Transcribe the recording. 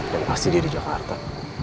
dan pasti dia di jakarta